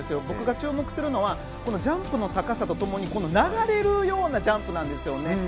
僕が注目するのはジャンプの高さと共に流れるようなジャンプですよね。